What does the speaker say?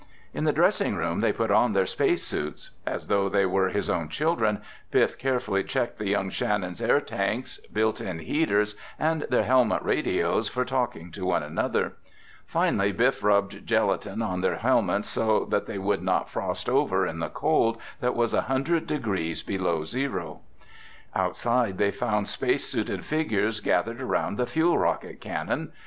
In the dressing room they put on their space suits. As though they were his own children, Biff carefully checked the young Shannons' air tanks, built in heaters, and their helmet radios for talking to one another. Finally Biff rubbed gelatin on their helmets so that they would not frost over in the cold that was a hundred degrees below zero. Outside they found space suited figures gathered around the fuel rocket cannon.